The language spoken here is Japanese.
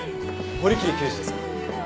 堀切刑事ですか？